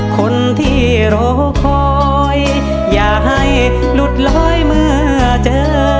คนที่รอคอยอย่าให้หลุดลอยเมื่อเจอ